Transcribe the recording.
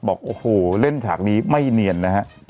บอกโอ้โหเล่นฉากนี้ไม่เนียนนะฮะ